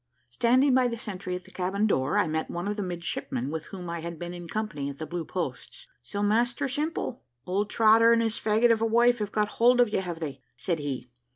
Standing by the sentry at the cabin door, I met one of the midshipmen with whom I had been in company at the Blue Posts. "So, Master Simple, old Trotter and his faggot of a wife have got hold of you have they?" said he.